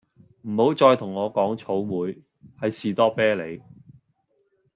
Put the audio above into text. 唔好再同我講草莓，係士多啤利